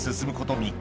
３日